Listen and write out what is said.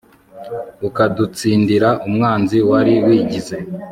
ukadutsindira umwanzi wari wigize